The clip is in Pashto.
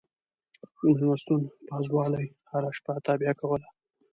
د مېلمستون پازوالې هره شپه تابیا کوله.